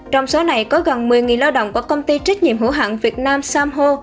trong số này có gần một mươi người lao động của công ty trách nhiệm hữu hạng việt nam sam ho